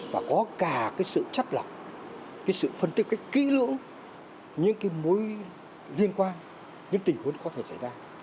và có cả sự chất lọc sự phân tích kỹ lưỡng những mối liên quan những tỉ huấn có thể xảy ra